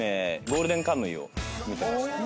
『ゴールデンカムイ』を見てました。